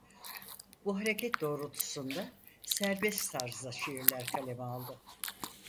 Bu hareket doğrultusunda serbest tarzda şiirler kaleme aldı.